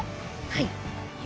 はい。